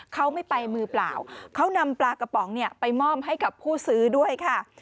เขาไม่ไปมือเปล่าเขานำปลากระป๋องเนี่ยไปมอบให้กับผู้ซื้อด้วยค่ะ